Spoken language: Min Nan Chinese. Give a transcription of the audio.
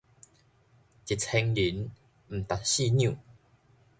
一千銀，毋值四兩